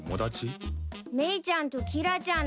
メイちゃんとキラちゃんだよ。